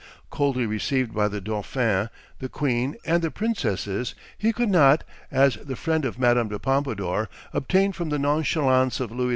Coldly received by the dauphin, the queen, and the princesses, he could not, as the friend of Madame de Pompadour, obtain from the nonchalance of Louis XV.